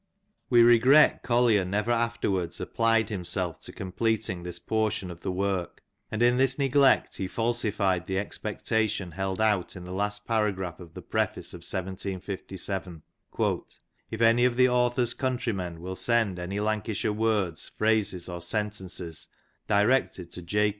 ^^ We regret Collier never afterwards applied himself to completing this portion of the work, and in this neglect he falsified the expectation held out in the last paragraph of the preface of 1757 :" If any of the author'^s countrymen will send any Lanca " shire words, phrases, or sentences, directed to J.